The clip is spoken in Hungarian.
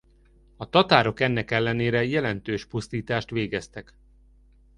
A tatárok ennek ellenére jelentős pusztítást végeztek.